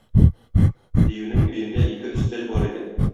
Диюнең өендә ике өстәл бар иде.